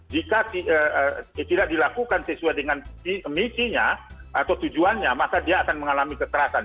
jika tidak dilakukan sesuai dengan misinya atau tujuannya maka dia akan mengalami kekerasan